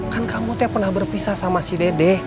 kan kamu pernah berpisah sama si dede